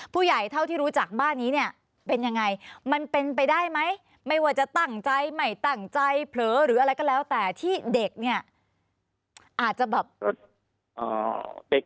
เท่าที่รู้จักบ้านนี้เนี่ยเป็นยังไงมันเป็นไปได้ไหมไม่ว่าจะตั้งใจไม่ตั้งใจเผลอหรืออะไรก็แล้วแต่ที่เด็กเนี่ยอาจจะแบบ